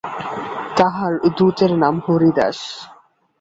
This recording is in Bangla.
তাঁহার দূতের নাম হরিদাস।